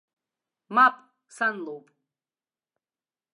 Мап, сан лоуп!